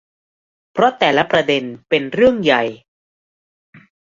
เพราะแต่ละประเด็นเป็นเรื่องใหญ่